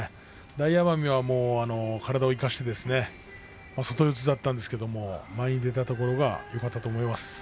大奄美は体を生かして外四つでしたが前に出たところがよかったと思います。